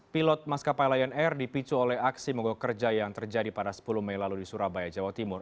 pilot maskapai lion air dipicu oleh aksi mogok kerja yang terjadi pada sepuluh mei lalu di surabaya jawa timur